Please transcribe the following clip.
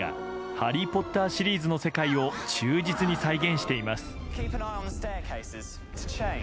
「ハリー・ポッター」シリーズの世界を忠実に再現しています。